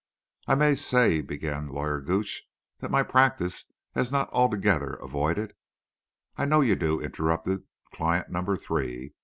"I may say," began Lawyer Gooch, "that my practice has not altogether avoided—" "I know you do," interrupted client number three.